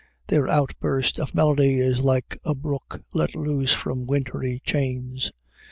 Their outburst of melody is like a brook let loose from wintry chains.